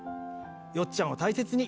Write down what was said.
よっちゃんを大切に。